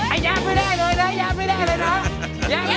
ไอ้หญ้าไม่ได้เลยนะไอ้หญ้าไม่ได้เลยนะ